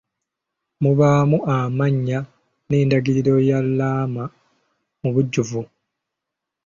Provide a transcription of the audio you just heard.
Mubaamu amannya n'endagiriro y'alaama mu bujjuvu.